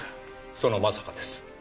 そのまさかです。